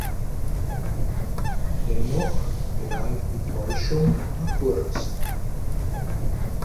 Dennoch gelang die Täuschung nur kurz.